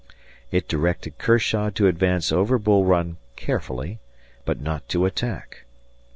It directed Kershaw to advance over Bull Run carefully, but not to attack.